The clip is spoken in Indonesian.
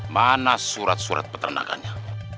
mana surat surat peternakannya